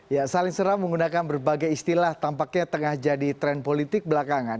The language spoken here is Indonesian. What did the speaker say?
ya saling serang menggunakan berbagai istilah tampaknya tengah jadi tren politik belakangan